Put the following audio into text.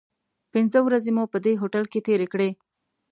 پنځه ورځې مو په دې هوټل کې تیرې کړې.